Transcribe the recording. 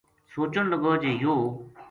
سوچن لگو جی یوہ